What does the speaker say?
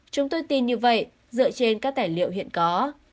chúng tôi tin như vậy dựa trên các tài liệu hiện có